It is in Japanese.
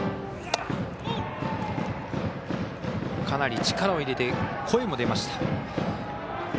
かなり力を入れて声が出ました。